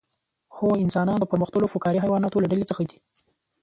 هو انسانان د پرمختللو فقاریه حیواناتو له ډلې څخه دي